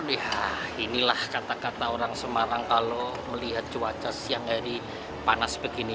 ya inilah kata kata orang semarang kalau melihat cuaca siang hari panas begini